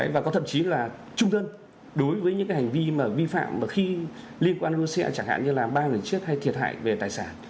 và có thậm chí là trung thân đối với những hành vi mà vi phạm khi liên quan đến xe chẳng hạn như là ba người chết hay thiệt hại về tài sản